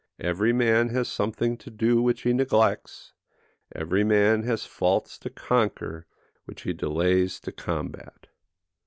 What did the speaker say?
Every man has something to do which he neglects; every man has faults to conquer which he delays to combat.